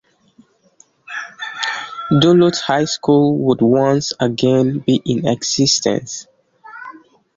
Duluth High School would once again be in existence.